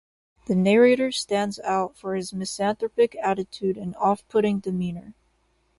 The narrator stands out for his misanthropic attitude and offputting demeanor.